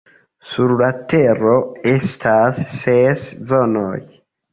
Sur la Tero estas ses Zonoj.